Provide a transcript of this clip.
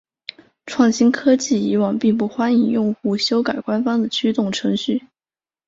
创新科技以往并不欢迎用户修改官方的驱动程序。